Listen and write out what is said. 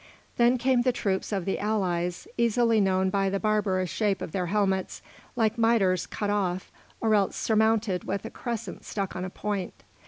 Then came the troops of the allies, easily known by the barbarous shape of their helmets, like mitres cut off, or else surmounted with a crescent stuck on a point.